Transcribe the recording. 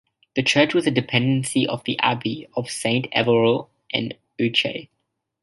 The church was a dependency of the abbey of Saint-Evroult-en-Ouche.